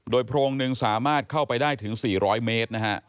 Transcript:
โพรงหนึ่งสามารถเข้าไปได้ถึง๔๐๐เมตรนะฮะ